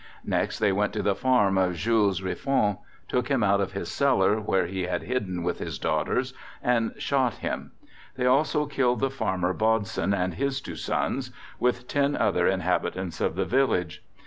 Next they went to the farm of Jules Rifon, took him out of his cellar, where he had hidden with his daughters, and shot him. They also killed the farmer Bodson and his two sons, with ten other inhabitants of the village.